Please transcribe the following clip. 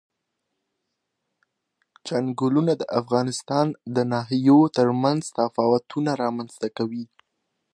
چنګلونه د افغانستان د ناحیو ترمنځ تفاوتونه رامنځ ته کوي.